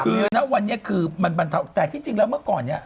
คือณวันนี้คือแต่ที่จริงแล้วเมื่อก่อนนี้